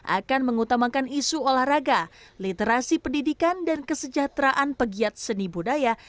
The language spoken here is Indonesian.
akan mengutamakan isu olahraga literasi pendidikan dan kesejahteraan pegiat seni budaya